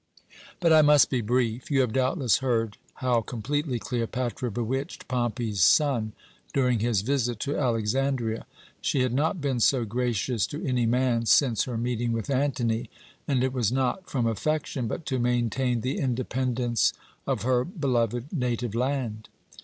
"But I must be brief. You have doubtless heard how completely Cleopatra bewitched Pompey's son during his visit to Alexandria. She had not been so gracious to any man since her meeting with Antony, and it was not from affection, but to maintain the independence of her beloved native land.